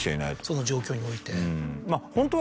その状況において。